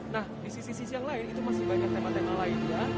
nah di sisi sisi yang lain itu masih banyak tema tema lainnya